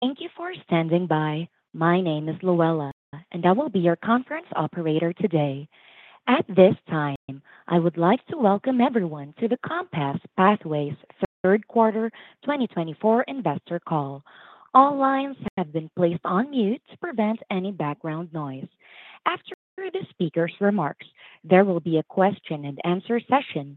Thank you for standing by. My name is Louella, and I will be your conference operator today. At this time, I would like to welcome everyone to the Compass Pathways Third Quarter 2024 Investor Call. All lines have been placed on mute to prevent any background noise. After the speaker's remarks, there will be a question-and-answer session.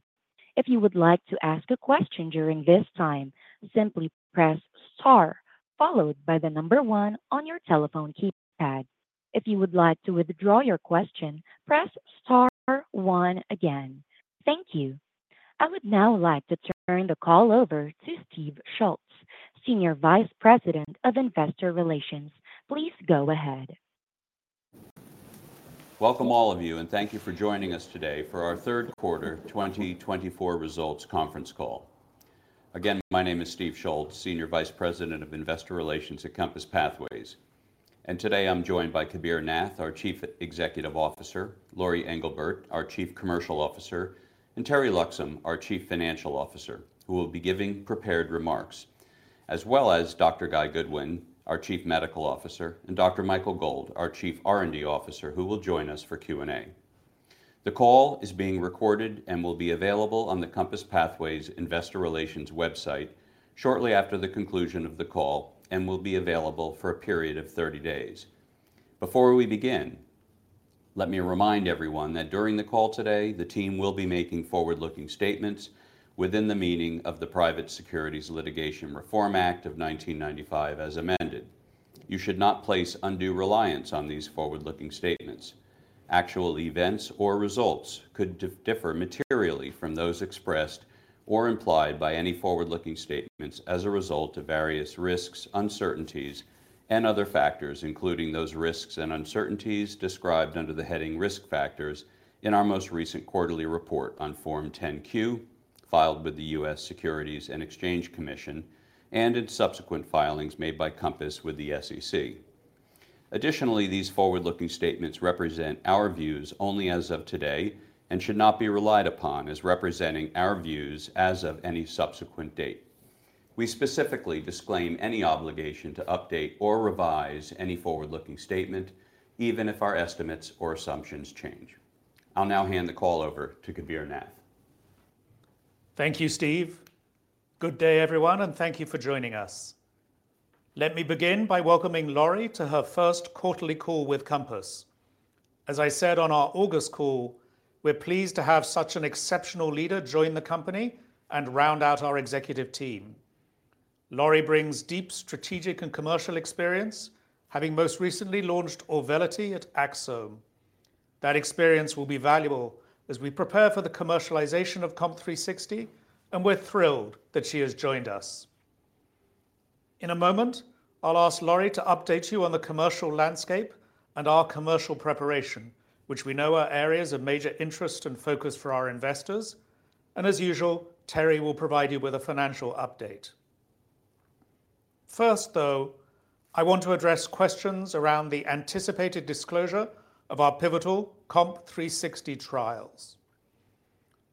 If you would like to ask a question during this time, simply press star, followed by the number one on your telephone keypad. If you would like to withdraw your question, press star one again. Thank you. I would now like to turn the call over to Steve Schultz, Senior Vice President of Investor Relations. Please go ahead. Welcome all of you, and thank you for joining us today for our third quarter 2024 results conference call. Again, my name is Steve Schultz, Senior Vice President of Investor Relations at Compass Pathways. And today I'm joined by Kabir Nath, our Chief Executive Officer, Lori Englebert, our Chief Commercial Officer, and Teri Loxam, our Chief Financial Officer, who will be giving prepared remarks, as well as Dr. Guy Goodwin, our Chief Medical Officer, and Dr. Michael Gold, our Chief R&D Officer, who will join us for Q&A. The call is being recorded and will be available on the Compass Pathways Investor Relations website shortly after the conclusion of the call and will be available for a period of 30 days. Before we begin, let me remind everyone that during the call today, the team will be making forward-looking statements within the meaning of the Private Securities Litigation Reform Act of 1995 as amended. You should not place undue reliance on these forward-looking statements. Actual events or results could differ materially from those expressed or implied by any forward-looking statements as a result of various risks, uncertainties, and other factors, including those risks and uncertainties described under the heading Risk Factors in our most recent quarterly report on Form 10-Q filed with the U.S. Securities and Exchange Commission and in subsequent filings made by Compass with the SEC. Additionally, these forward-looking statements represent our views only as of today and should not be relied upon as representing our views as of any subsequent date. We specifically disclaim any obligation to update or revise any forward-looking statement, even if our estimates or assumptions change. I'll now hand the call over to Kabir Nath. Thank you, Steve. Good day, everyone, and thank you for joining us. Let me begin by welcoming Lori to her first quarterly call with Compass. As I said on our August call, we're pleased to have such an exceptional leader join the company and round out our executive team. Lori brings deep strategic and commercial experience, having most recently launched Auvelity at Axsome. That experience will be valuable as we prepare for the commercialization of COMP360, and we're thrilled that she has joined us. In a moment, I'll ask Lori to update you on the commercial landscape and our commercial preparation, which we know are areas of major interest and focus for our investors. And as usual, Teri will provide you with a financial update. First, though, I want to address questions around the anticipated disclosure of our pivotal COMP360 trials.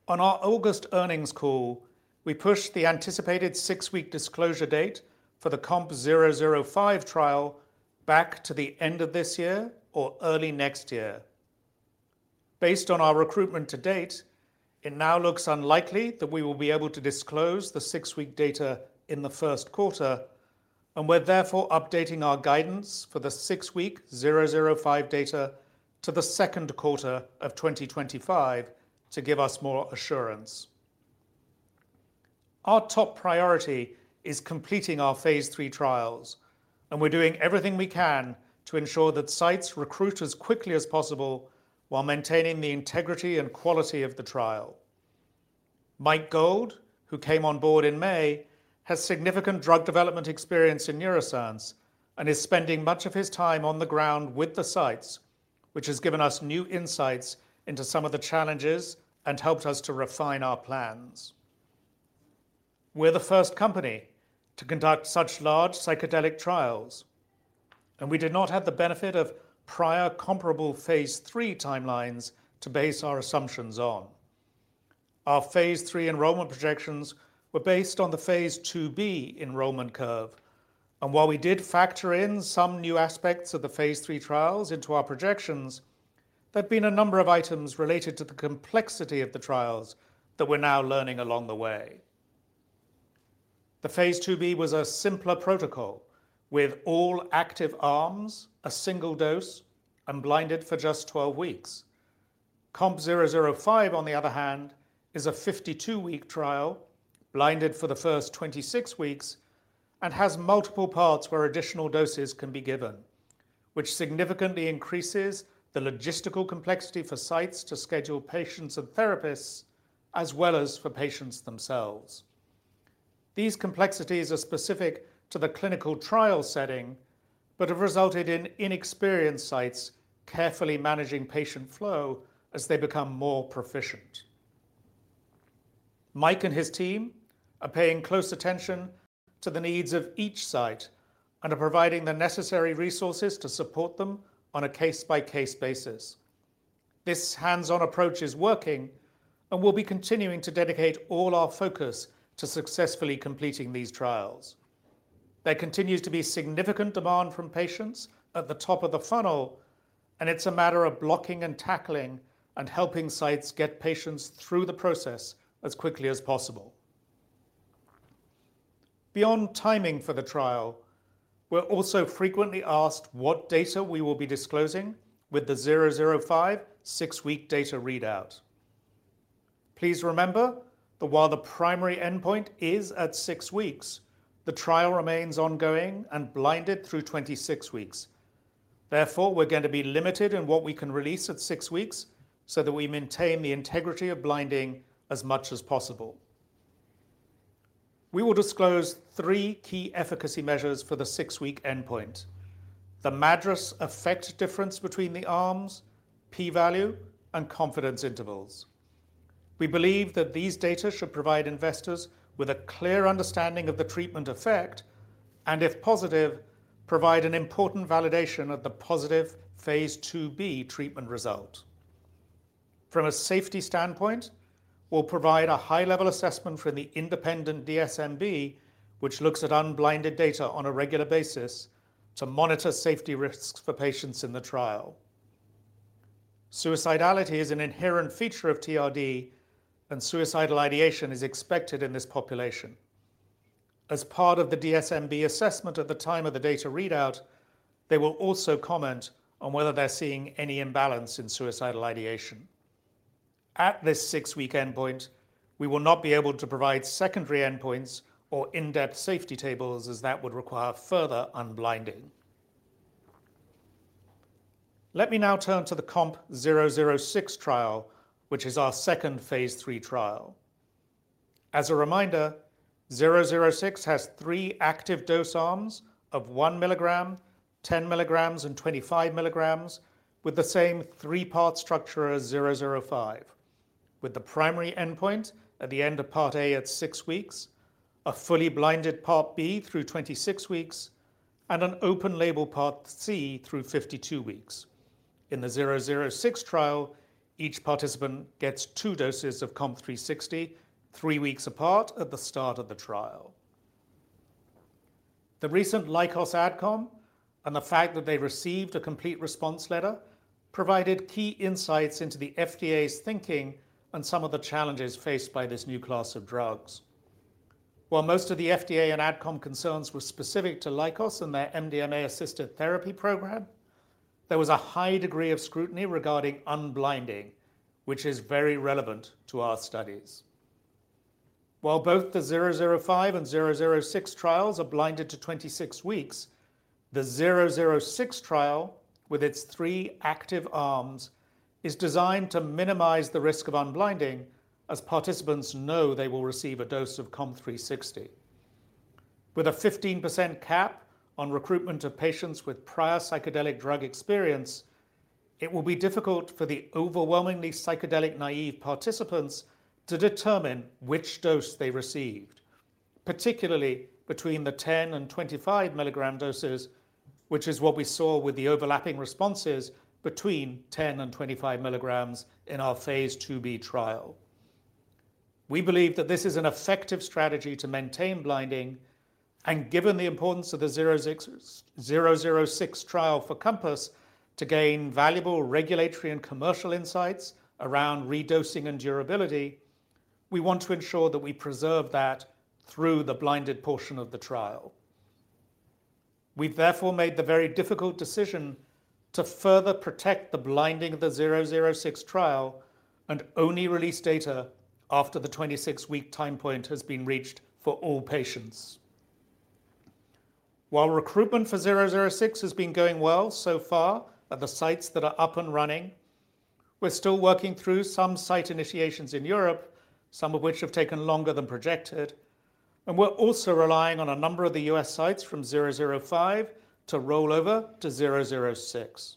On our August earnings call, we pushed the anticipated six-week disclosure date for the COMP005 trial back to the end of this year or early next year. Based on our recruitment to date, it now looks unlikely that we will be able to disclose the six-week data in the first quarter, and we're therefore updating our guidance for the six-week 005 data to the second quarter of 2025 to give us more assurance. Our top priority is completing our phase III trials, and we're doing everything we can to ensure that sites recruit as quickly as possible while maintaining the integrity and quality of the trial. Mike Gold, who came on board in May, has significant drug development experience in neuroscience and is spending much of his time on the ground with the sites, which has given us new insights into some of the challenges and helped us to refine our plans. We're the first company to conduct such large psychedelic trials, and we did not have the benefit of prior comparable phase III timelines to base our assumptions on. Our phase III enrollment projections were based on the phase II-B enrollment curve, and while we did factor in some new aspects of the phase III trials into our projections, there have been a number of items related to the complexity of the trials that we're now learning along the way. The phase II-B was a simpler protocol with all active arms, a single dose, and blinded for just 12 weeks. COMP005, on the other hand, is a 52-week trial, blinded for the first 26 weeks, and has multiple parts where additional doses can be given, which significantly increases the logistical complexity for sites to schedule patients and therapists, as well as for patients themselves. These complexities are specific to the clinical trial setting but have resulted in inexperienced sites carefully managing patient flow as they become more proficient. Mike and his team are paying close attention to the needs of each site and are providing the necessary resources to support them on a case-by-case basis. This hands-on approach is working and will be continuing to dedicate all our focus to successfully completing these trials. There continues to be significant demand from patients at the top of the funnel, and it's a matter of blocking and tackling and helping sites get patients through the process as quickly as possible. Beyond timing for the trial, we're also frequently asked what data we will be disclosing with the 005 six-week data readout. Please remember that while the primary endpoint is at six weeks, the trial remains ongoing and blinded through 26 weeks. Therefore, we're going to be limited in what we can release at six weeks so that we maintain the integrity of blinding as much as possible. We will disclose three key efficacy measures for the six-week endpoint: the MADRS effect difference between the arms, p-value, and confidence intervals. We believe that these data should provide investors with a clear understanding of the treatment effect and, if positive, provide an important validation of the positive phase II-B treatment result. From a safety standpoint, we'll provide a high-level assessment from the independent DSMB, which looks at unblinded data on a regular basis to monitor safety risks for patients in the trial. Suicidality is an inherent feature of TRD, and suicidal ideation is expected in this population. As part of the DSMB assessment at the time of the data readout, they will also comment on whether they're seeing any imbalance in suicidal ideation. At this six-week endpoint, we will not be able to provide secondary endpoints or in-depth safety tables, as that would require further unblinding. Let me now turn to the COMP006 trial, which is our second phase III trial. As a reminder, 006 has three active dose arms of 1 mg, 10 mg, and 25 mg, with the same three-part structure as 005, with the primary endpoint at the end of Part A at six weeks, a fully blinded Part B through 26 weeks, and an open-label Part C through 52 weeks. In the 006 trial, each participant gets two doses of COMP360 three weeks apart at the start of the trial. The recent Lykos AdCom and the fact that they received a complete response letter provided key insights into the FDA's thinking and some of the challenges faced by this new class of drugs. While most of the FDA and AdCom concerns were specific to Lykos and their MDMA-assisted therapy program, there was a high degree of scrutiny regarding unblinding, which is very relevant to our studies. While both the 005 and 006 trials are blinded to 26 weeks, the 006 trial, with its three active arms, is designed to minimize the risk of unblinding, as participants know they will receive a dose of COMP360. With a 15% cap on recruitment of patients with prior psychedelic drug experience, it will be difficult for the overwhelmingly psychedelic naive participants to determine which dose they received, particularly between the 10 and 25 mg doses, which is what we saw with the overlapping responses between 10 and 25 mg in our phase II-B trial. We believe that this is an effective strategy to maintain blinding, and given the importance of the 006 trial for Compass to gain valuable regulatory and commercial insights around redosing and durability, we want to ensure that we preserve that through the blinded portion of the trial. We've therefore made the very difficult decision to further protect the blinding of the 006 trial and only release data after the 26-week time point has been reached for all patients. While recruitment for 006 has been going well so far at the sites that are up and running, we're still working through some site initiations in Europe, some of which have taken longer than projected, and we're also relying on a number of the U.S. sites from 005 to roll over to 006.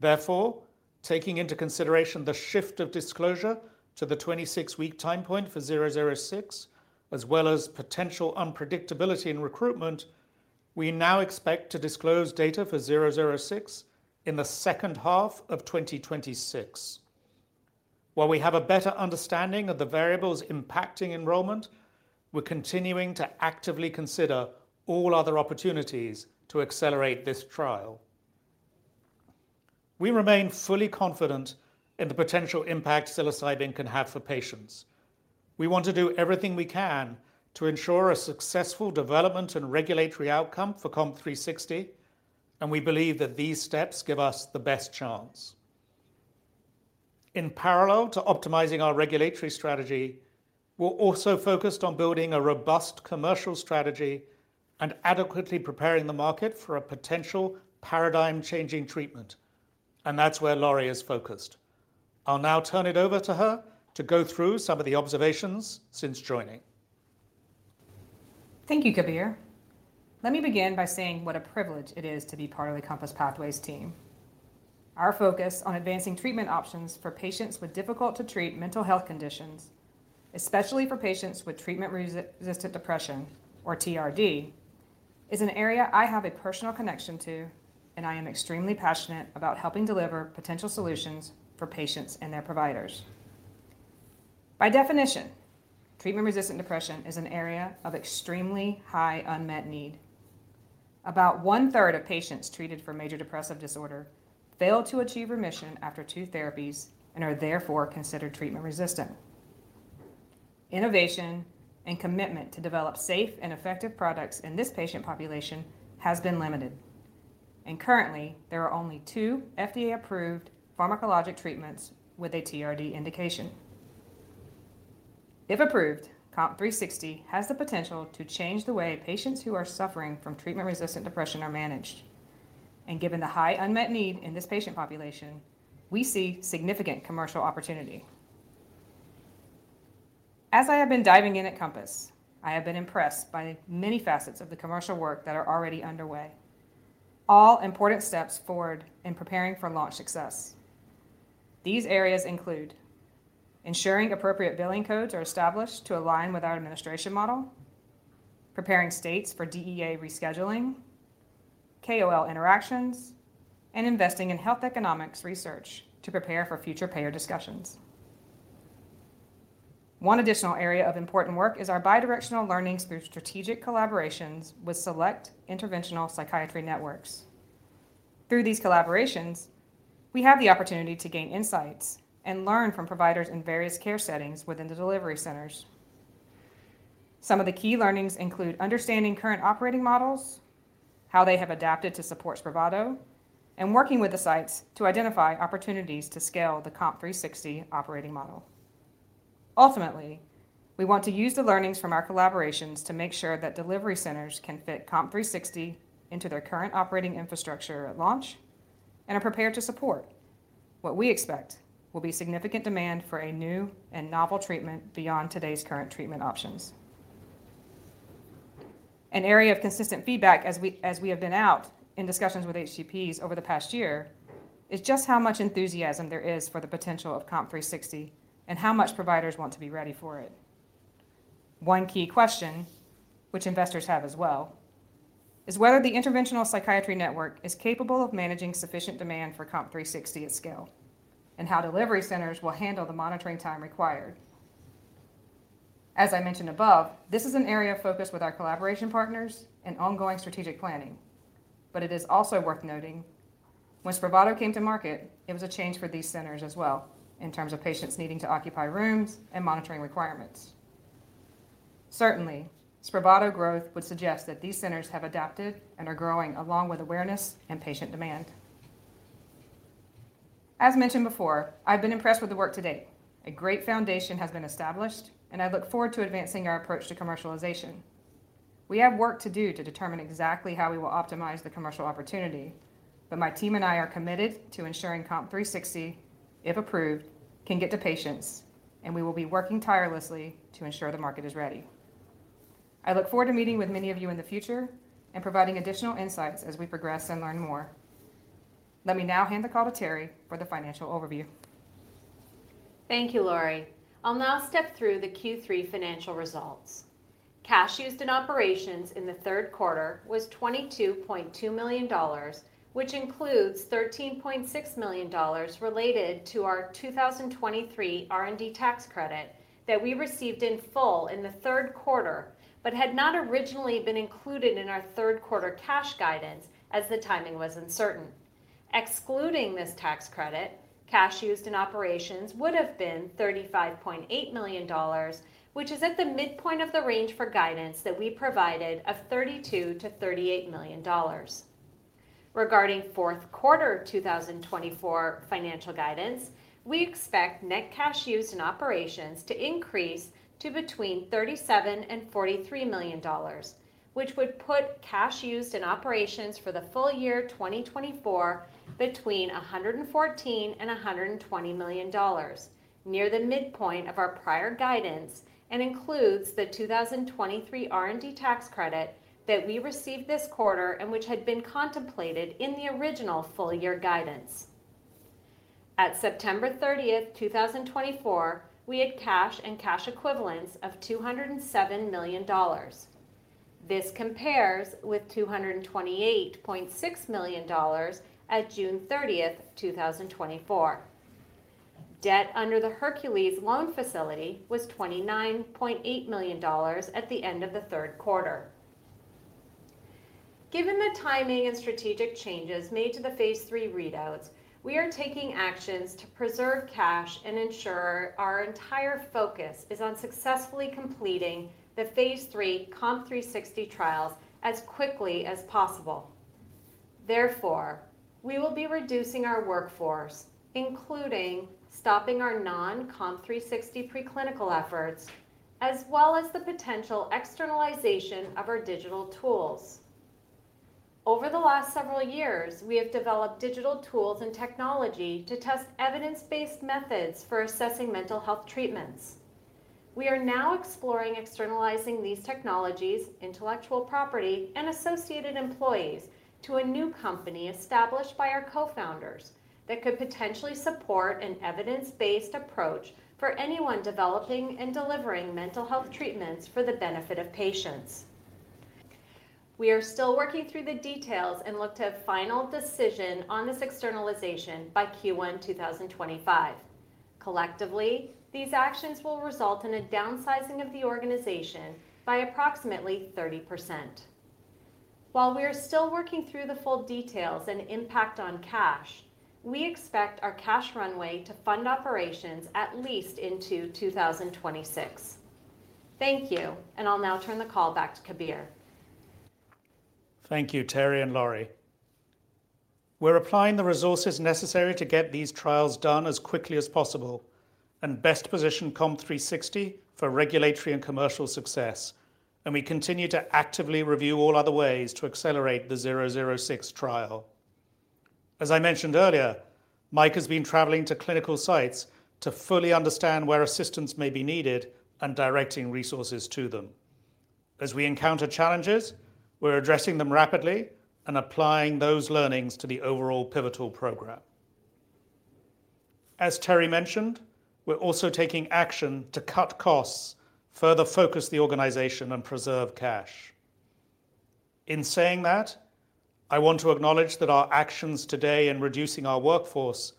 Therefore, taking into consideration the shift of disclosure to the 26-week time point for 006, as well as potential unpredictability in recruitment, we now expect to disclose data for 006 in the second half of 2026. While we have a better understanding of the variables impacting enrollment, we're continuing to actively consider all other opportunities to accelerate this trial. We remain fully confident in the potential impact psilocybin can have for patients. We want to do everything we can to ensure a successful development and regulatory outcome for COMP360, and we believe that these steps give us the best chance. In parallel to optimizing our regulatory strategy, we're also focused on building a robust commercial strategy and adequately preparing the market for a potential paradigm-changing treatment, and that's where Lori is focused. I'll now turn it over to her to go through some of the observations since joining. Thank you, Kabir. Let me begin by saying what a privilege it is to be part of the Compass Pathways team. Our focus on advancing treatment options for patients with difficult-to-treat mental health conditions, especially for patients with treatment-resistant depression, or TRD, is an area I have a personal connection to, and I am extremely passionate about helping deliver potential solutions for patients and their providers. By definition, treatment-resistant depression is an area of extremely high unmet need. About one-third of patients treated for major depressive disorder fail to achieve remission after two therapies and are therefore considered treatment-resistant. Innovation and commitment to develop safe and effective products in this patient population has been limited, and currently, there are only two FDA-approved pharmacologic treatments with a TRD indication. If approved, COMP360 has the potential to change the way patients who are suffering from treatment-resistant depression are managed, and given the high unmet need in this patient population, we see significant commercial opportunity. As I have been diving in at Compass, I have been impressed by many facets of the commercial work that are already underway, all important steps forward in preparing for launch success. These areas include ensuring appropriate billing codes are established to align with our administration model, preparing states for DEA rescheduling, KOL interactions, and investing in health economics research to prepare for future payer discussions. One additional area of important work is our bidirectional learning through strategic collaborations with select interventional psychiatry networks. Through these collaborations, we have the opportunity to gain insights and learn from providers in various care settings within the delivery centers. Some of the key learnings include understanding current operating models, how they have adapted to support Spravato, and working with the sites to identify opportunities to scale the COMP360 operating model. Ultimately, we want to use the learnings from our collaborations to make sure that delivery centers can fit COMP360 into their current operating infrastructure at launch and are prepared to support what we expect will be significant demand for a new and novel treatment beyond today's current treatment options. An area of consistent feedback, as we have been out in discussions with HCPs over the past year, is just how much enthusiasm there is for the potential of COMP360 and how much providers want to be ready for it. One key question, which investors have as well, is whether the interventional psychiatry network is capable of managing sufficient demand for COMP360 at scale and how delivery centers will handle the monitoring time required. As I mentioned above, this is an area of focus with our collaboration partners and ongoing strategic planning, but it is also worth noting when Spravato came to market, it was a change for these centers as well in terms of patients needing to occupy rooms and monitoring requirements. Certainly, Spravato growth would suggest that these centers have adapted and are growing along with awareness and patient demand. As mentioned before, I've been impressed with the work to date. A great foundation has been established, and I look forward to advancing our approach to commercialization. We have work to do to determine exactly how we will optimize the commercial opportunity, but my team and I are committed to ensuring COMP360, if approved, can get to patients, and we will be working tirelessly to ensure the market is ready. I look forward to meeting with many of you in the future and providing additional insights as we progress and learn more. Let me now hand the call to Teri for the financial overview. Thank you, Lori. I'll now step through the Q3 financial results. Cash used in operations in the third quarter was $22.2 million, which includes $13.6 million related to our 2023 R&D tax credit that we received in full in the third quarter but had not originally been included in our third quarter cash guidance as the timing was uncertain. Excluding this tax credit, cash used in operations would have been $35.8 million, which is at the midpoint of the range for guidance that we provided of $32 million-$38 million. Regarding fourth quarter 2024 financial guidance, we expect net cash used in operations to increase to between $37 million-$43 million, which would put cash used in operations for the full year 2024 between $114 million-$120 million, near the midpoint of our prior guidance and includes the 2023 R&D tax credit that we received this quarter and which had been contemplated in the original full year guidance. At September 30th, 2024, we had cash and cash equivalents of $207 million. This compares with $228.6 million at June 30th, 2024. Debt under the Hercules loan facility was $29.8 million at the end of the third quarter. Given the timing and strategic changes made to the phase III readouts, we are taking actions to preserve cash and ensure our entire focus is on successfully completing the phase III COMP360 trials as quickly as possible. Therefore, we will be reducing our workforce, including stopping our non-COMP360 preclinical efforts, as well as the potential externalization of our digital tools. Over the last several years, we have developed digital tools and technology to test evidence-based methods for assessing mental health treatments. We are now exploring externalizing these technologies, intellectual property, and associated employees to a new company established by our co-founders that could potentially support an evidence-based approach for anyone developing and delivering mental health treatments for the benefit of patients. We are still working through the details and look to have final decision on this externalization by Q1 2025. Collectively, these actions will result in a downsizing of the organization by approximately 30%. While we are still working through the full details and impact on cash, we expect our cash runway to fund operations at least into 2026. Thank you, and I'll now turn the call back to Kabir. Thank you, Teri and Lori. We're applying the resources necessary to get these trials done as quickly as possible and best position COMP360 for regulatory and commercial success, and we continue to actively review all other ways to accelerate the 006 trial. As I mentioned earlier, Mike has been traveling to clinical sites to fully understand where assistance may be needed and directing resources to them. As we encounter challenges, we're addressing them rapidly and applying those learnings to the overall pivotal program. As Teri mentioned, we're also taking action to cut costs, further focus the organization, and preserve cash. In saying that, I want to acknowledge that our actions today in reducing our workforce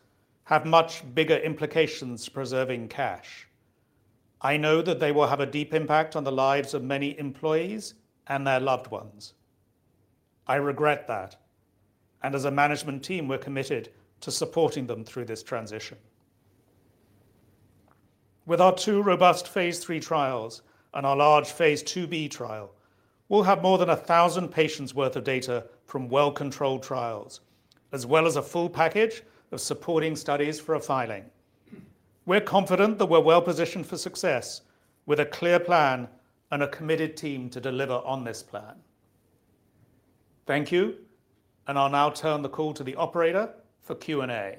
have much bigger implications for preserving cash. I know that they will have a deep impact on the lives of many employees and their loved ones. I regret that, and as a management team, we're committed to supporting them through this transition. With our two robust phase III trials and our large phase II-B trial, we'll have more than 1,000 patients' worth of data from well-controlled trials, as well as a full package of supporting studies for a filing. We're confident that we're well-positioned for success with a clear plan and a committed team to deliver on this plan. Thank you, and I'll now turn the call to the operator for Q&A.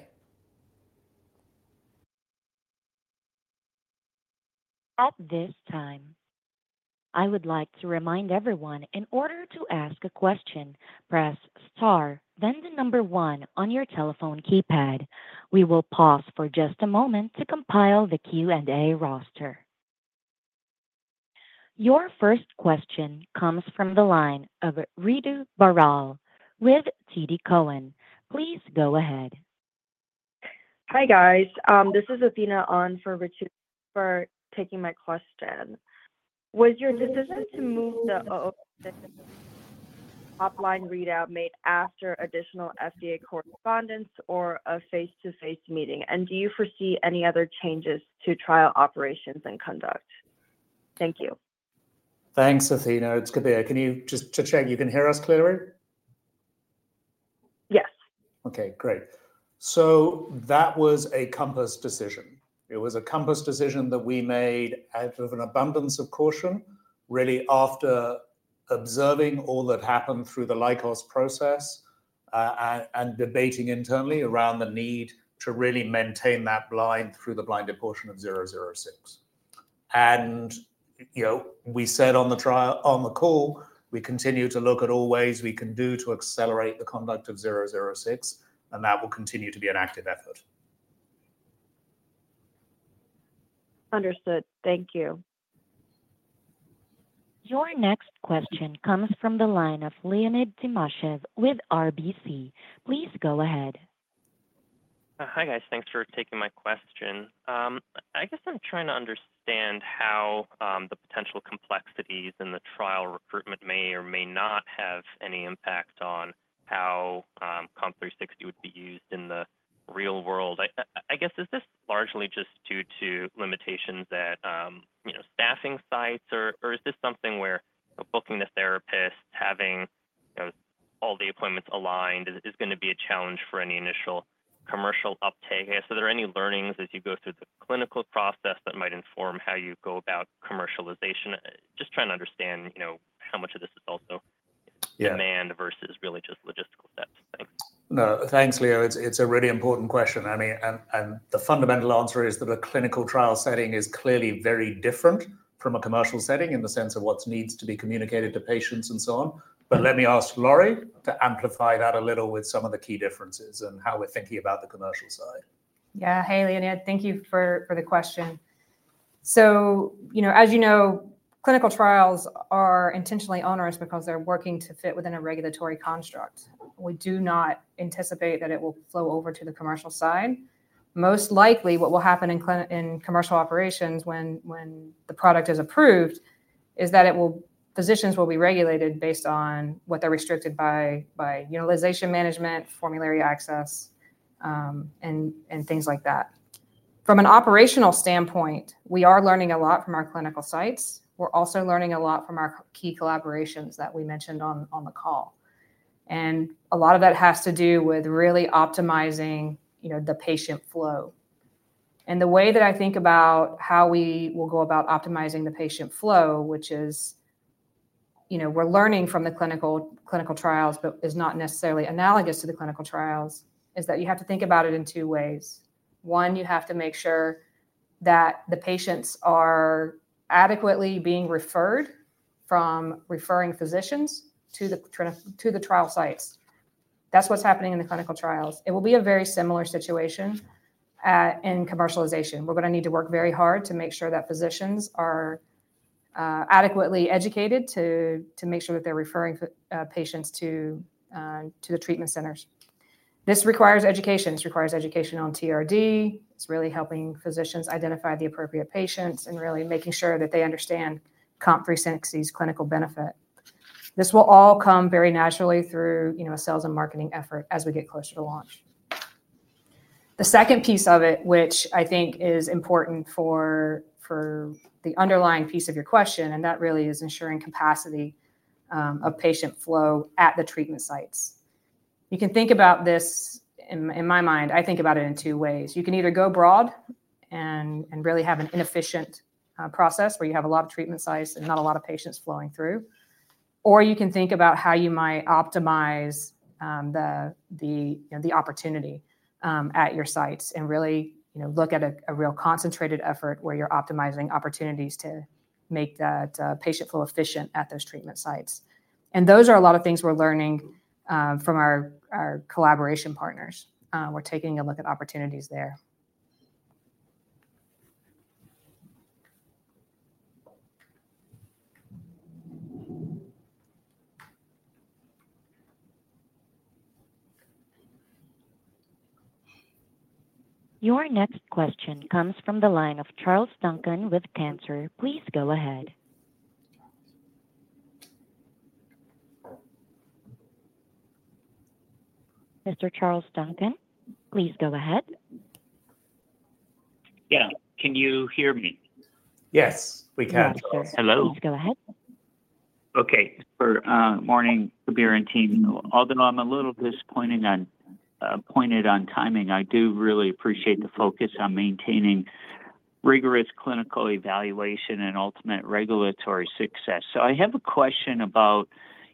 At this time, I would like to remind everyone in order to ask a question, press star, then the number one on your telephone keypad. We will pause for just a moment to compile the Q&A roster. Your first question comes from the line of Ritu Baral with TD Cowen. Please go ahead. Hi guys. This is Athena on for Ritu for taking my question. Was your decision to move the top line readout made after additional FDA correspondence or a face-to-face meeting? And do you foresee any other changes to trial operations and conduct? Thank you. Thanks, Athena. It's Kabir. Can you just check? You can hear us clearly? Yes. Okay, great. So that was a Compass decision. It was a Compass decision that we made out of an abundance of caution, really after observing all that happened through the Lykos process and debating internally around the need to really maintain that line through the blinded portion of 006. And we said on the call, we continue to look at all ways we can do to accelerate the conduct of 006, and that will continue to be an active effort. Understood. Thank you. Your next question comes from the line of Leonid Timashev with RBC. Please go ahead. Hi guys. Thanks for taking my question. I guess I'm trying to understand how the potential complexities in the trial recruitment may or may not have any impact on how COMP360 would be used in the real world. I guess, is this largely just due to limitations at staffing sites, or is this something where booking the therapist, having all the appointments aligned, is going to be a challenge for any initial commercial uptake? So are there any learnings as you go through the clinical process that might inform how you go about commercialization? Just trying to understand how much of this is also demand versus really just logistical steps. Thanks. Thanks, Leo. It's a really important question. I mean, and the fundamental answer is that a clinical trial setting is clearly very different from a commercial setting in the sense of what needs to be communicated to patients and so on. But let me ask Lori to amplify that a little with some of the key differences and how we're thinking about the commercial side. Yeah, hey Leonid, thank you for the question. So as you know, clinical trials are intentionally onerous because they're working to fit within a regulatory construct. We do not anticipate that it will flow over to the commercial side. Most likely, what will happen in commercial operations when the product is approved is that positions will be regulated based on what they're restricted by utilization management, formulary access, and things like that. From an operational standpoint, we are learning a lot from our clinical sites. We're also learning a lot from our key collaborations that we mentioned on the call. And a lot of that has to do with really optimizing the patient flow. The way that I think about how we will go about optimizing the patient flow, which is we're learning from the clinical trials, but it's not necessarily analogous to the clinical trials, is that you have to think about it in two ways. One, you have to make sure that the patients are adequately being referred from referring physicians to the trial sites. That's what's happening in the clinical trials. It will be a very similar situation in commercialization. We're going to need to work very hard to make sure that physicians are adequately educated to make sure that they're referring patients to the treatment centers. This requires education. This requires education on TRD. It's really helping physicians identify the appropriate patients and really making sure that they understand COMP360's clinical benefit. This will all come very naturally through a sales and marketing effort as we get closer to launch. The second piece of it, which I think is important for the underlying piece of your question, and that really is ensuring capacity of patient flow at the treatment sites. You can think about this in my mind, I think about it in two ways. You can either go broad and really have an inefficient process where you have a lot of treatment sites and not a lot of patients flowing through, or you can think about how you might optimize the opportunity at your sites and really look at a real concentrated effort where you're optimizing opportunities to make that patient flow efficient at those treatment sites. And those are a lot of things we're learning from our collaboration partners. We're taking a look at opportunities there. Your next question comes from the line of Charles Duncan with Cantor. Please go ahead. Mr. Charles Duncan, please go ahead. Yeah. Can you hear me? Yes, we can. Hello? Please go ahead. Okay. Good morning, Kabir and team. Although I'm a little disappointed on timing, I do really appreciate the focus on maintaining rigorous clinical evaluation and ultimate regulatory success. So I have a question about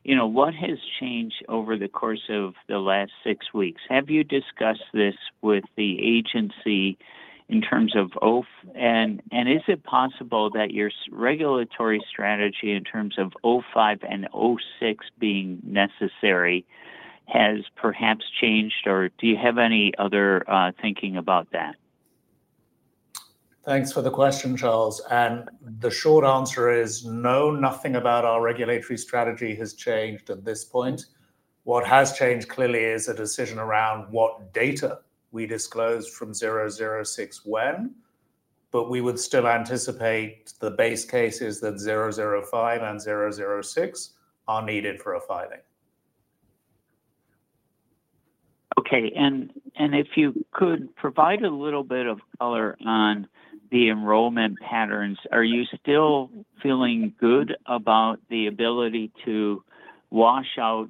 what has changed over the course of the last six weeks? Have you discussed this with the Agency in terms of FDA? And is it possible that your regulatory strategy in terms of 005 and 006 being necessary has perhaps changed, or do you have any other thinking about that? Thanks for the question, Charles. And the short answer is no, nothing about our regulatory strategy has changed at this point. What has changed clearly is a decision around what data we disclose from 006 when, but we would still anticipate the base cases that 005 and 006 are needed for a filing. Okay. And if you could provide a little bit of color on the enrollment patterns, are you still feeling good about the ability to wash out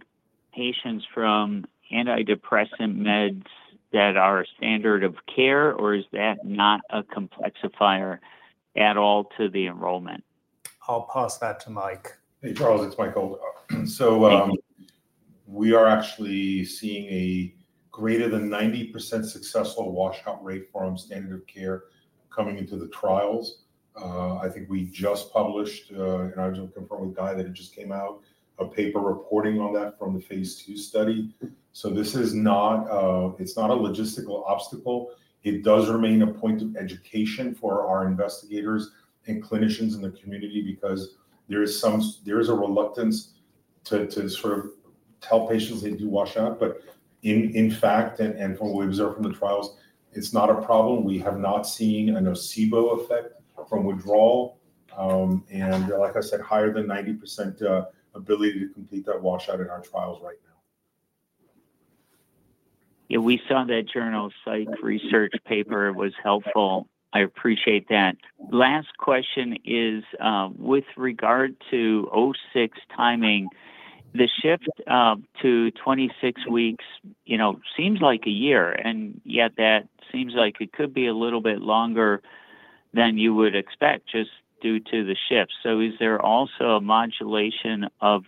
patients from antidepressant meds that are standard of care, or is that not a complexifier at all to the enrollment? I'll pass that to Mike. Hey, Charles, it's Mike Gold. So we are actually seeing a greater than 90% successful washout rate for our standard of care coming into the trials. I think we just published, and I was looking for Guy that it just came out, a paper reporting on that from the phase II study. So this is not a logistical obstacle. It does remain a point of education for our investigators and clinicians in the community because there is a reluctance to sort of tell patients they do washout. But in fact, and from what we observe from the trials, it's not a problem. We have not seen a nocebo effect from withdrawal. And like I said, higher than 90% ability to complete that washout in our trials right now. Yeah, we saw that Journal Psych research paper was helpful. I appreciate that. Last question is with regard to 006 timing, the shift to 26 weeks seems like a year, and yet that seems like it could be a little bit longer than you would expect just due to the shift. So is there also a modulation of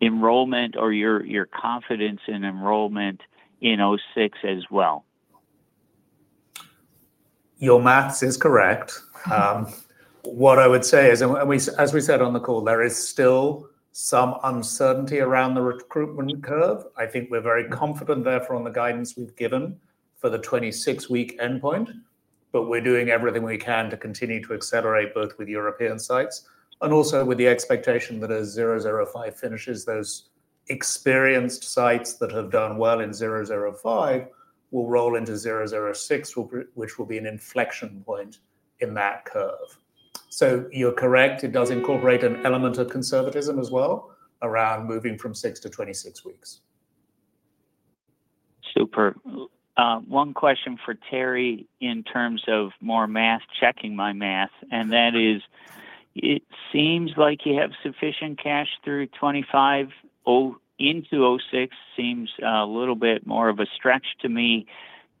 enrollment or your confidence in enrollment in 006 as well? Your math is correct. What I would say is, as we said on the call, there is still some uncertainty around the recruitment curve. I think we're very confident therefore on the guidance we've given for the 26-week endpoint, but we're doing everything we can to continue to accelerate both with European sites and also with the expectation that as 005 finishes, those experienced sites that have done well in 005 will roll into 006, which will be an inflection point in that curve. So you're correct. It does incorporate an element of conservatism as well around moving from six to 26 weeks. Super. One question for Teri in terms of more math, checking my math, and that is, it seems like you have sufficient cash through 2025 into 006 seems a little bit more of a stretch to me.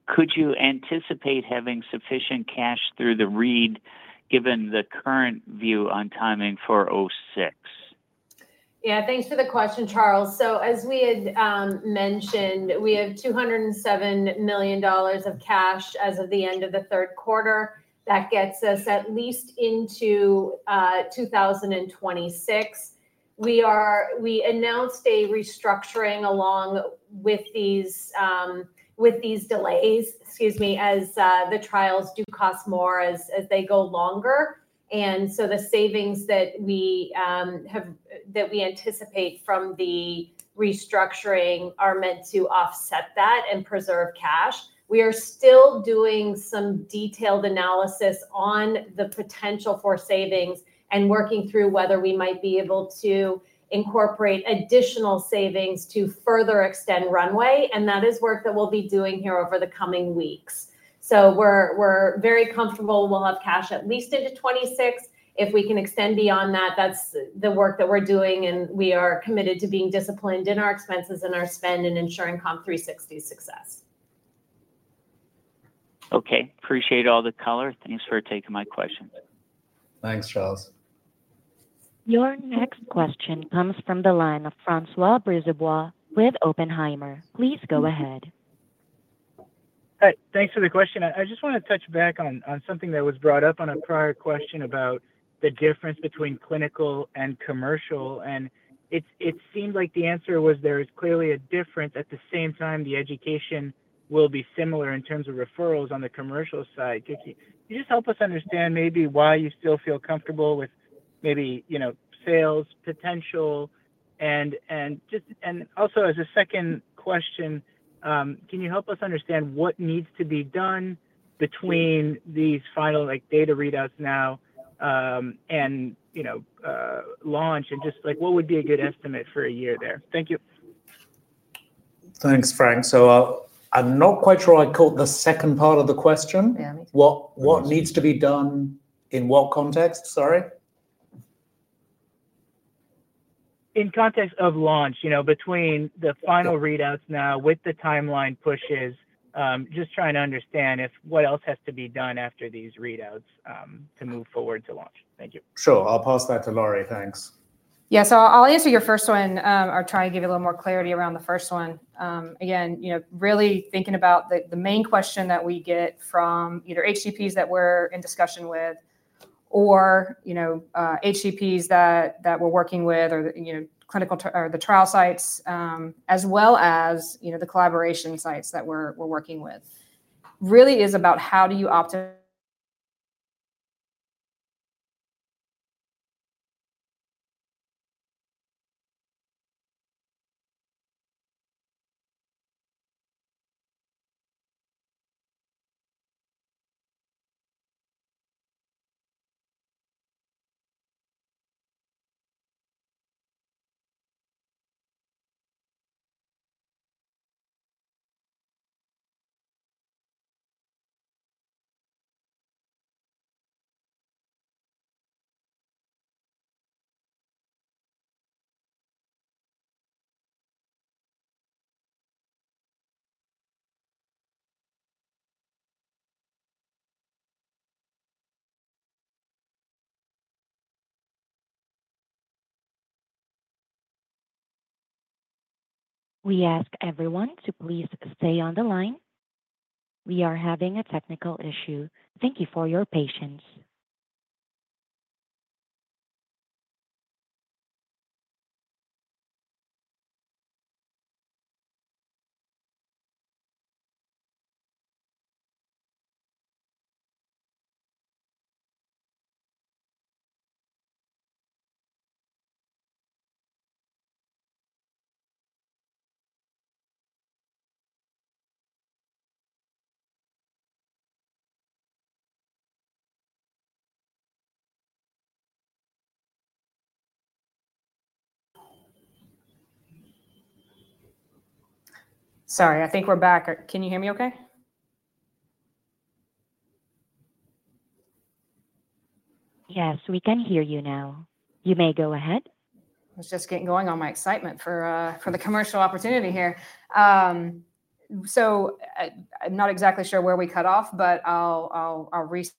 Could you anticipate having sufficient cash through the readout given the current view on timing for 006? Yeah, thanks for the question, Charles. So as we had mentioned, we have $207 million of cash as of the end of the third quarter. That gets us at least into 2026. We announced a restructuring along with these delays, excuse me, as the trials do cost more as they go longer. And so the savings that we anticipate from the restructuring are meant to offset that and preserve cash. We are still doing some detailed analysis on the potential for savings and working through whether we might be able to incorporate additional savings to further extend runway. And that is work that we'll be doing here over the coming weeks. So we're very comfortable we'll have cash at least into 26. If we can extend beyond that, that's the work that we're doing, and we are committed to being disciplined in our expenses and our spend in ensuring COMP360 success. Okay. Appreciate all the color. Thanks for taking my questions. Thanks, Charles. Your next question comes from the line of François Brisebois with Oppenheimer. Please go ahead. Thanks for the question. I just want to touch back on something that was brought up on a prior question about the difference between clinical and commercial, and it seemed like the answer was there is clearly a difference. At the same time, the education will be similar in terms of referrals on the commercial side. Can you just help us understand maybe why you still feel comfortable with maybe sales potential? And also as a second question, can you help us understand what needs to be done between these final data readouts now and launch and just what would be a good estimate for a year there? Thank you. Thanks, Frank. So I'm not quite sure I caught the second part of the question. What needs to be done in what context? Sorry. In context of launch between the final readouts now with the timeline pushes, just trying to understand what else has to be done after these readouts to move forward to launch. Thank you. Sure. I'll pass that to Lori. Thanks. Yeah. So I'll answer your first one or try and give you a little more clarity around the first one. Again, really thinking about the main question that we get from either HCPs that we're in discussion with or HCPs that we're working with or the trial sites as well as the collaboration sites that we're working with really is about how do you optimize? We ask everyone to please stay on the line. We are having a technical issue. Thank you for your patience. Sorry, I think we're back. Can you hear me okay? Yes, we can hear you now. You may go ahead. I was just getting going on my excitement for the commercial opportunity here, so I'm not exactly sure where we cut off, but I'll resend.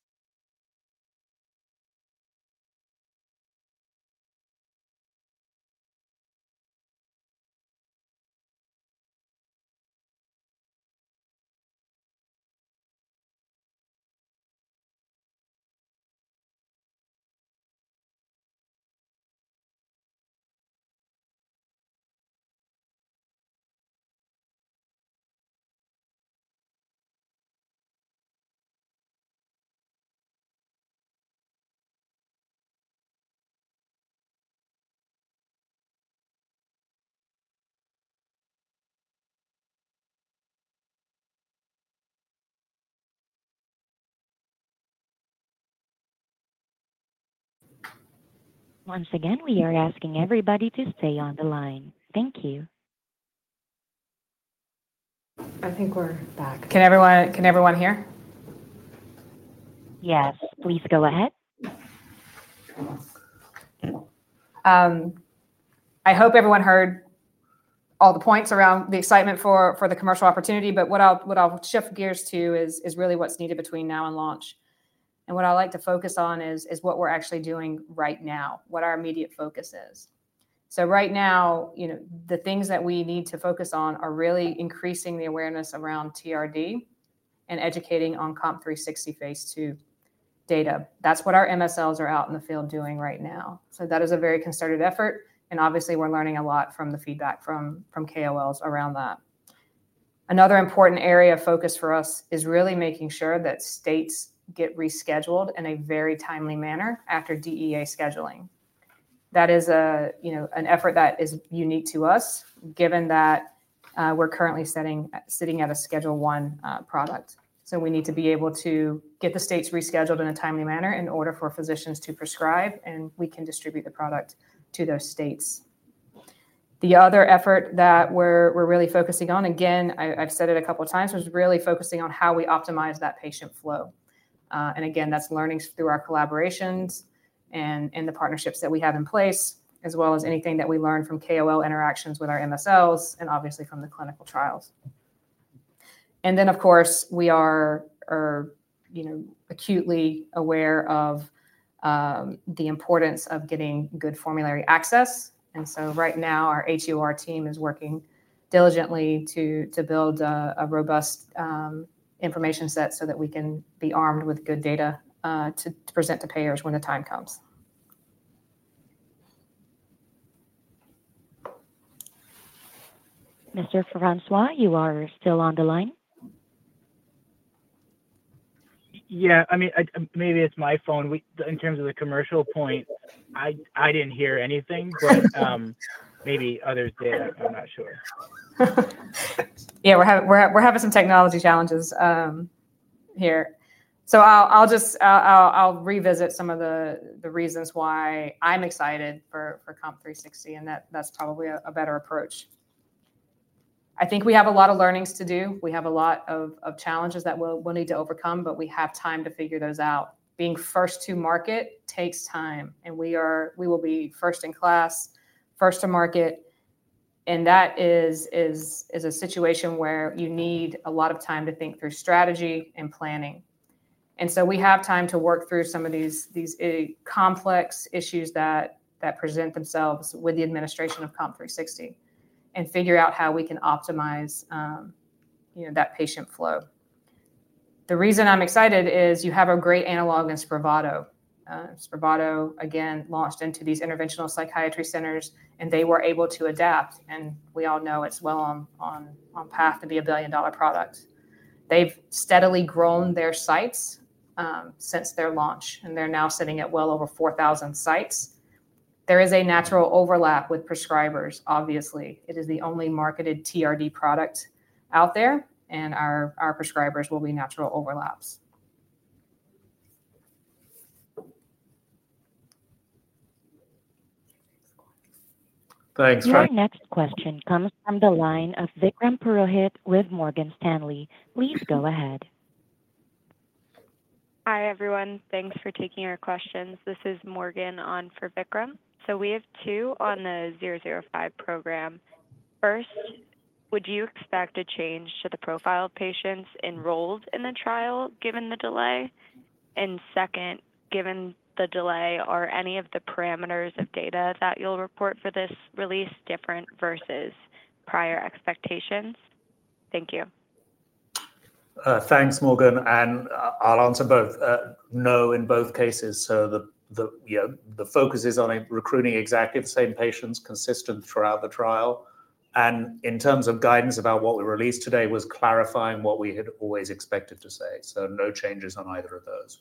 Once again, we are asking everybody to stay on the line. Thank you. I think we're back. Can everyone hear? Yes. Please go ahead. I hope everyone heard all the points around the excitement for the commercial opportunity, but what I'll shift gears to is really what's needed between now and launch. And what I'd like to focus on is what we're actually doing right now, what our immediate focus is. So right now, the things that we need to focus on are really increasing the awareness around TRD and educating on COMP360 phase II data. That's what our MSLs are out in the field doing right now. So that is a very concerted effort. And obviously, we're learning a lot from the feedback from KOLs around that. Another important area of focus for us is really making sure that states get rescheduled in a very timely manner after DEA scheduling. That is an effort that is unique to us given that we're currently sitting at a Schedule I product. We need to be able to get the states rescheduled in a timely manner in order for physicians to prescribe, and we can distribute the product to those states. The other effort that we're really focusing on, again, I've said it a couple of times, is really focusing on how we optimize that patient flow. And again, that's learnings through our collaborations and the partnerships that we have in place, as well as anything that we learn from KOL interactions with our MSLs and obviously from the clinical trials. And then, of course, we are acutely aware of the importance of getting good formulary access. And so right now, our HEOR team is working diligently to build a robust information set so that we can be armed with good data to present to payers when the time comes. Mr. François, you are still on the line? Yeah. I mean, maybe it's my phone. In terms of the commercial point, I didn't hear anything, but maybe others did. I'm not sure. Yeah, we're having some technology challenges here. So I'll revisit some of the reasons why I'm excited for COMP360, and that's probably a better approach. I think we have a lot of learnings to do. We have a lot of challenges that we'll need to overcome, but we have time to figure those out. Being first to market takes time, and we will be first in class, first to market, and that is a situation where you need a lot of time to think through strategy and planning, and so we have time to work through some of these complex issues that present themselves with the administration of COMP360 and figure out how we can optimize that patient flow. The reason I'm excited is you have a great analog in Spravato. Spravato, again, launched into these interventional psychiatry centers, and they were able to adapt. We all know it's well on path to be a billion-dollar product. They've steadily grown their sites since their launch, and they're now sitting at well over 4,000 sites. There is a natural overlap with prescribers, obviously. It is the only marketed TRD product out there, and our prescribers will be natural overlaps. Thanks, Frank. Your next question comes from the line of Vikram Purohit with Morgan Stanley. Please go ahead. Hi everyone. Thanks for taking our questions. This is Morgan on for Vikram. So we have two on the 005 program. First, would you expect a change to the profile of patients enrolled in the trial given the delay? And second, given the delay, are any of the parameters of data that you'll report for this release different versus prior expectations? Thank you. Thanks, Morgan. And I'll answer both. No, in both cases. So the focus is on recruiting exactly the same patients consistent throughout the trial. And in terms of guidance, about what we released today was clarifying what we had always expected to say. So no changes on either of those.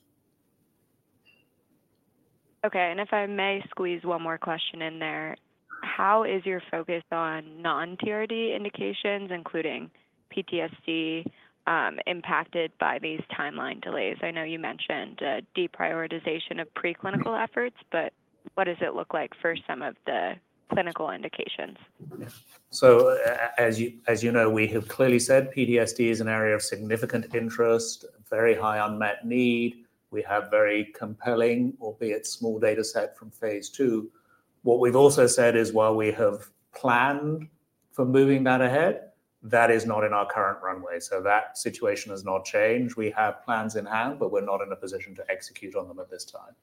Okay. And if I may squeeze one more question in there. How is your focus on non-TRD indications, including PTSD, impacted by these timeline delays? I know you mentioned deprioritization of preclinical efforts, but what does it look like for some of the clinical indications? As you know, we have clearly said PTSD is an area of significant interest, very high unmet need. We have very compelling, albeit small, dataset from phase II. What we've also said is while we have planned for moving that ahead, that is not in our current runway. That situation has not changed. We have plans in hand, but we're not in a position to execute on them at this time.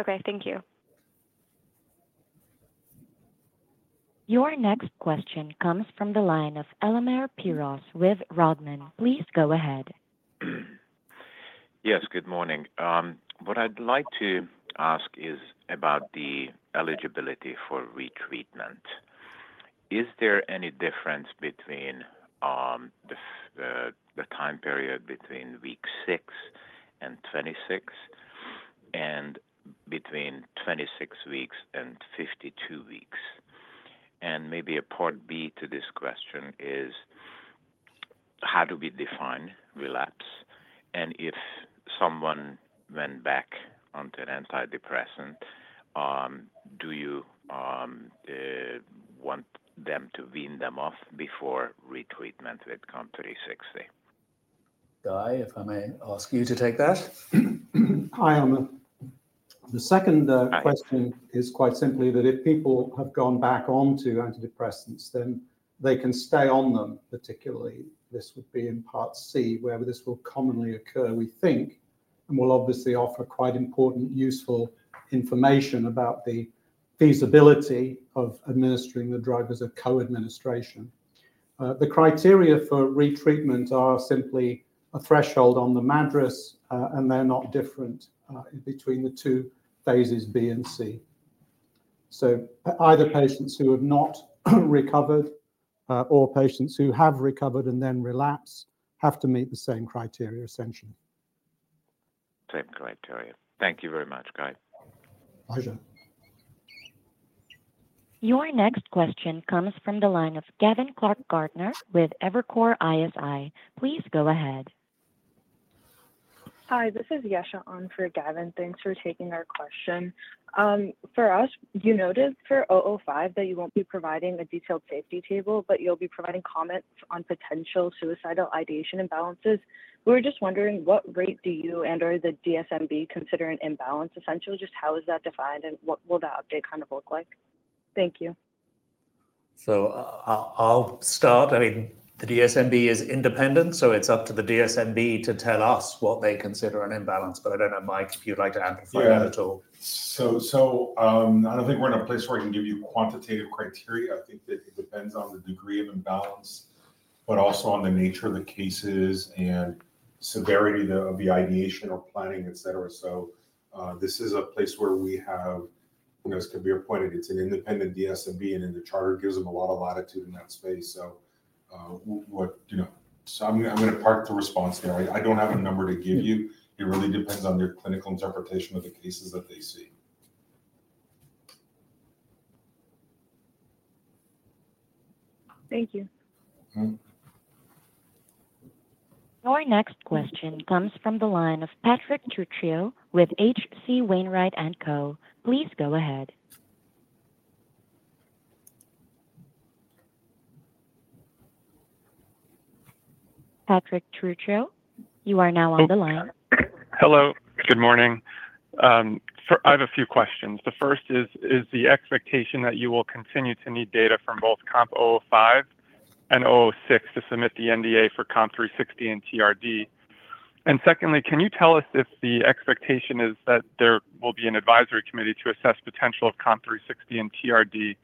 Okay. Thank you. Your next question comes from the line of Elemer Piros with Rodman. Please go ahead. Yes, good morning. What I'd like to ask is about the eligibility for retreatment. Is there any difference between the time period between week six and 26 and between 26 weeks and 52 weeks? And maybe a Part B to this question is how do we define relapse? And if someone went back onto an antidepressant, do you want them to wean them off before retreatment with COMP360? Guy, if I may ask you to take that. Hi, Elemer. The second question is quite simply that if people have gone back onto antidepressants, then they can stay on them, particularly. This would be in Part C, where this will commonly occur, we think, and will obviously offer quite important, useful information about the feasibility of administering the drug as a co-administration. The criteria for retreatment are simply a threshold on the MADRS, and they're not different between the two phases B and C. So either patients who have not recovered or patients who have recovered and then relapsed have to meet the same criteria, essentially. Same criteria. Thank you very much, Guy. Pleasure. Your next question comes from the line of Gavin Clark-Gartner with Evercore ISI. Please go ahead. Hi, this is Yesha on for Gavin. Thanks for taking our question. For us, you noted for 005 that you won't be providing a detailed safety table, but you'll be providing comments on potential suicidal ideation imbalances. We were just wondering what rate do you and/or the DSMB consider an imbalance essential? Just how is that defined and what will that update kind of look like? Thank you. So I'll start. I mean, the DSMB is independent, so it's up to the DSMB to tell us what they consider an imbalance. But I don't know, Mike, if you'd like to amplify that at all. So I don't think we're in a place where I can give you quantitative criteria. I think that it depends on the degree of imbalance, but also on the nature of the cases and severity of the ideation or planning, etc. So this is a place where we have this can be appointed. It's an independent DSMB, and the charter gives them a lot of latitude in that space. So I'm going to park the response there. I don't have a number to give you. It really depends on their clinical interpretation of the cases that they see. Thank you. Your next question comes from the line of Patrick Trucchio with H.C. Wainwright & Co. Please go ahead. Patrick Trucchio, you are now on the line. Hello. Good morning. I have a few questions. The first is, is the expectation that you will continue to need data from both COMP005 and 006 to submit the NDA for COMP360 and TRD? And secondly, can you tell us if the expectation is that there will be an advisory committee to assess the potential of COMP360 and TRD?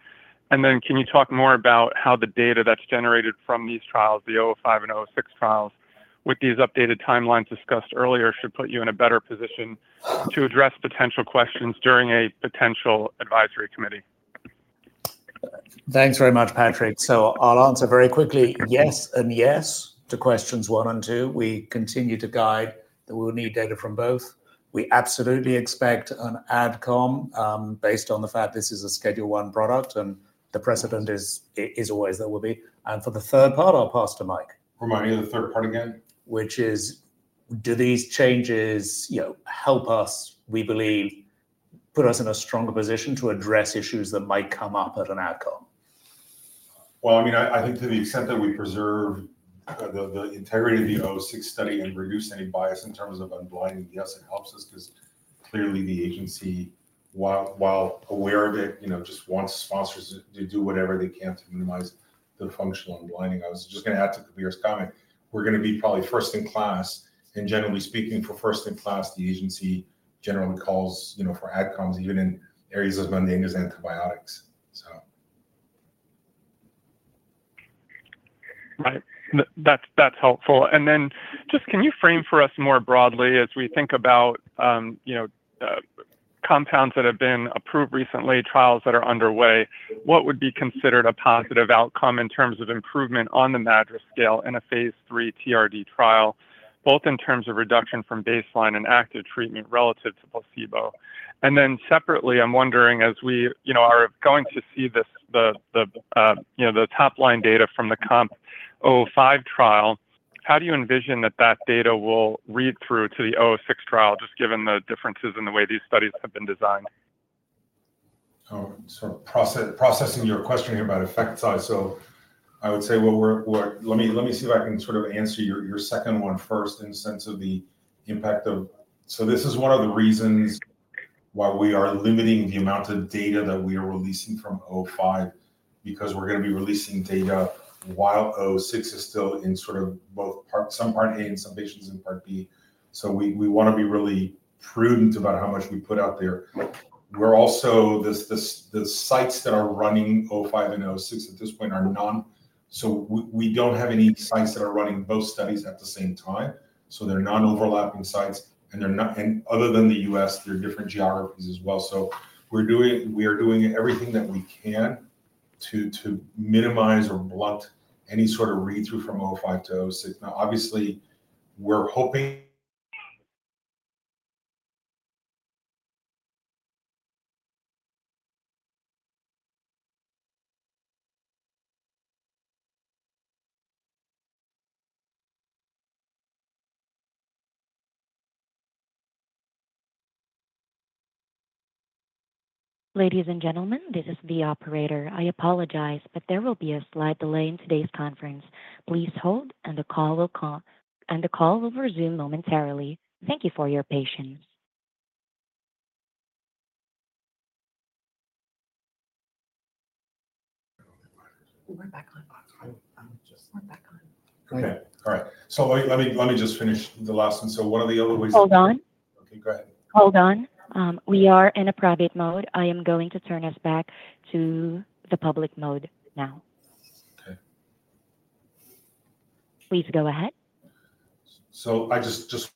And then can you talk more about how the data that's generated from these trials, the 005 and 006 trials, with these updated timelines discussed earlier should put you in a better position to address potential questions during a potential advisory committee? Thanks very much, Patrick. So I'll answer very quickly. Yes and yes to questions one and two. We continue to guide that we will need data from both. We absolutely expect an AdCom based on the fact this is a Schedule I product, and the precedent is always there will be. And for the third part, I'll pass to Mike. Remind me of the third part again. Which is, do these changes help us, we believe, put us in a stronger position to address issues that might come up at an AdCom? Well, I mean, I think to the extent that we preserve the integrity of the 006 study and reduce any bias in terms of unblinding, yes, it helps us because clearly the Agency, while aware of it, just wants sponsors to do whatever they can to minimize the functional unblinding. I was just going to add to Kabir's comment. We're going to be probably first in class. And generally speaking, for first in class, the Agency generally calls for adcoms even in areas as mundane as antibiotics, so. That's helpful. And then just can you frame for us more broadly as we think about compounds that have been approved recently, trials that are underway, what would be considered a positive outcome in terms of improvement on the MADRS scale in a phase III TRD trial, both in terms of reduction from baseline and active treatment relative to placebo? And then separately, I'm wondering as we are going to see the top line data from the COMP005 trial, how do you envision that that data will read through to the 006 trial just given the differences in the way these studies have been designed? Oh, sort of processing your question here about effect size. So I would say, well, let me see if I can sort of answer your second one first in the sense of the impact of. So this is one of the reasons why we are limiting the amount of data that we are releasing from 005 because we're going to be releasing data while 006 is still in sort of both some Part A and some patients in Part B. So we want to be really prudent about how much we put out there. We're also the sites that are running 005 and 006 at this point are none. So we don't have any sites that are running both studies at the same time. So they're non-overlapping sites. And other than the U.S., there are different geographies as well. So we're doing everything that we can to minimize or blunt any sort of read-through from 005 to 006. Now, obviously, we're hoping. Ladies and gentlemen, this is the operator. I apologize, but there will be a slight delay in today's conference. Please hold, and the call will resume momentarily. Thank you for your patience. We're back on. We're back on. Okay. All right. So let me just finish the last one. So one of the other ways. Hold on. Okay. Go ahead. Hold on. We are in a private mode. I am going to turn us back to the public mode now. Okay. Please go ahead. I just.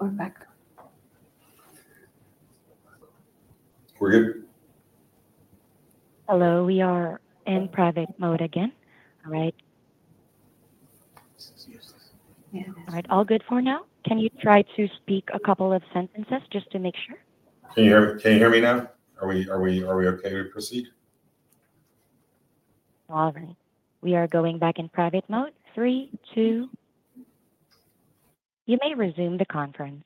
We're back. We're good. Hello. We are in private mode again. All right. All good for now? Can you try to speak a couple of sentences just to make sure? Can you hear me now? Are we okay to proceed? All right. We are going back in private mode. Three, two. You may resume the conference.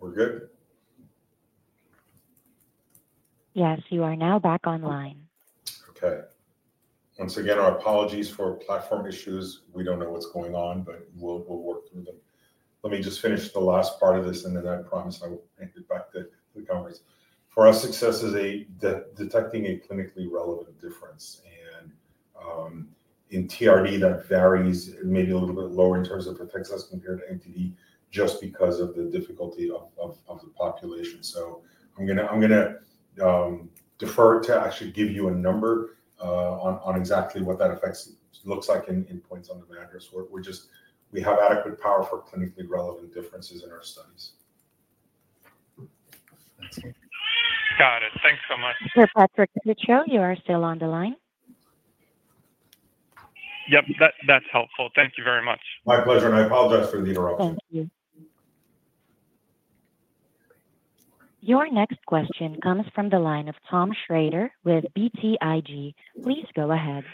We're good? Yes. You are now back online. Okay. Once again, our apologies for platform issues. We don't know what's going on, but we'll work through them. Let me just finish the last part of this, and then I promise I will hand it back to the conference. For us, success is detecting a clinically relevant difference, and in TRD, that varies maybe a little bit lower in terms of effects as compared to MDD just because of the difficulty of the population, so I'm going to defer to actually give you a number on exactly what that effect looks like in points on the MADRS. We have adequate power for clinically relevant differences in our studies. Got it. Thanks so much. Patrick Trucchio, you are still on the line? Yep. That's helpful. Thank you very much. My pleasure. And I apologize for the interruption. Thank you. Your next question comes from the line of Tom Shrader with BTIG. Please go ahead.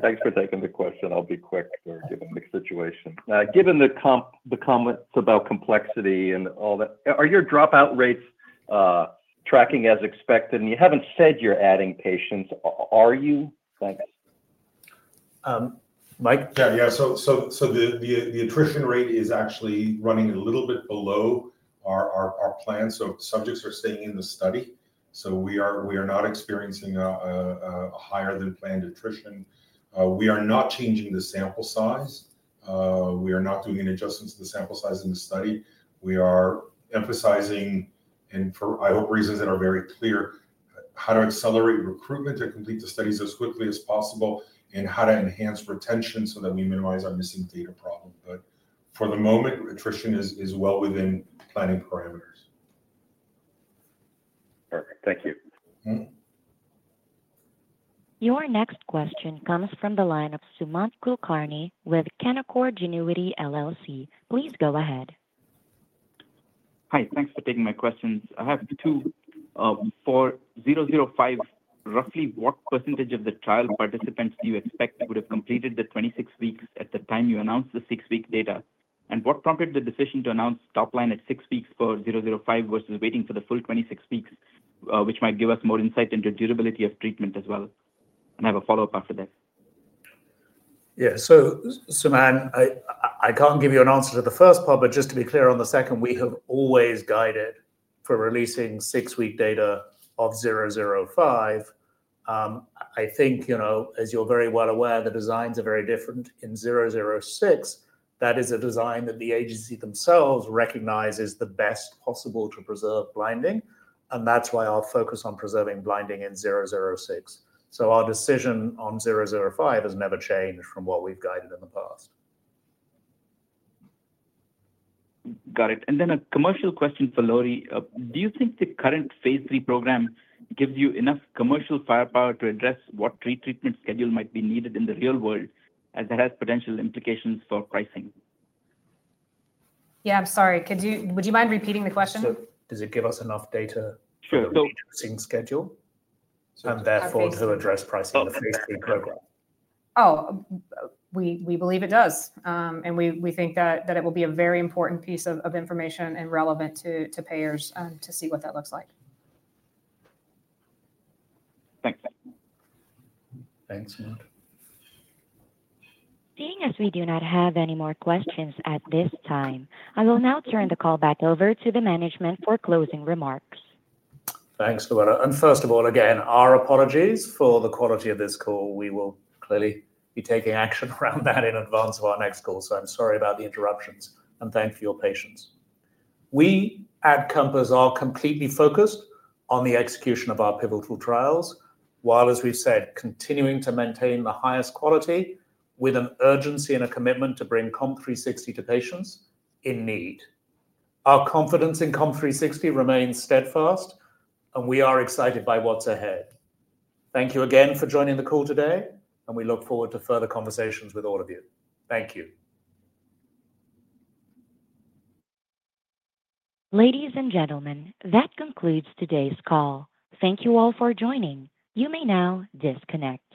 Thanks for taking the question. I'll be quick, given the situation. Given the comments about complexity and all that, are your dropout rates tracking as expected? And you haven't said you're adding patients. Are you? Thanks. Mike? Yeah. Yeah. So the attrition rate is actually running a little bit below our plan. So subjects are staying in the study. So we are not experiencing a higher-than-planned attrition. We are not changing the sample size. We are not doing an adjustment to the sample size in the study. We are emphasizing, and for, I hope, reasons that are very clear, how to accelerate recruitment to complete the studies as quickly as possible and how to enhance retention so that we minimize our missing data problem. But for the moment, attrition is well within planning parameters. Perfect. Thank you. Your next question comes from the line of Sumant Kulkarni with Canaccord Genuity LLC. Please go ahead. Hi. Thanks for taking my questions. I have two. For 005, roughly what percentage of the trial participants do you expect would have completed the 26 weeks at the time you announced the 6-week data? And what prompted the decision to announce top line at 6 weeks for 005 versus waiting for the full 26 weeks, which might give us more insight into durability of treatment as well? And I have a follow-up after that. Yeah. So, Sumant, I can't give you an answer to the first part, but just to be clear on the second, we have always guided for releasing six-week data of 005. I think, as you're very well aware, the designs are very different. In 006, that is a design that the Agency themselves recognizes the best possible to preserve blinding. And that's why our focus on preserving blinding in 006. So our decision on 005 has never changed from what we've guided in the past. Got it. And then a commercial question for Lori. Do you think the current phase III program gives you enough commercial firepower to address what retreatment schedule might be needed in the real world as it has potential implications for pricing? Yeah. I'm sorry. Would you mind repeating the question? So does it give us enough data for the adjusting schedule and therefore to address pricing the phase III program? Oh, we believe it does. And we think that it will be a very important piece of information and relevant to payers to see what that looks like. Thanks. Thanks, Sumant. Seeing as we do not have any more questions at this time, I will now turn the call back over to the management for closing remarks. Thanks, Louella. And first of all, again, our apologies for the quality of this call. We will clearly be taking action around that in advance of our next call. So I'm sorry about the interruptions. And thank you for your patience. We, at Compass, are completely focused on the execution of our pivotal trials, while, as we've said, continuing to maintain the highest quality with an urgency and a commitment to bring COMP360 to patients in need. Our confidence in COMP360 remains steadfast, and we are excited by what's ahead. Thank you again for joining the call today, and we look forward to further conversations with all of you. Thank you. Ladies and gentlemen, that concludes today's call. Thank you all for joining. You may now disconnect.